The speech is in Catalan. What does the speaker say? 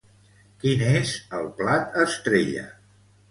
Quin és el plat estrella?